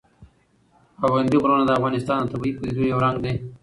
پابندی غرونه د افغانستان د طبیعي پدیدو یو رنګ دی.